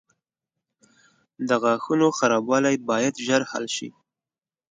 • د غاښونو خرابوالی باید ژر حل شي.